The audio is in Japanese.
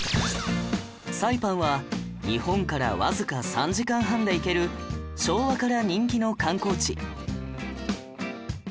サイパンは日本からわずか３時間半で行ける昭和から人気の観光地